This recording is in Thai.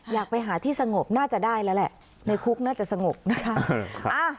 อยากไปหาที่สงบน่าจะได้แล้วแหละในคุกน่าจะสงบนะคะ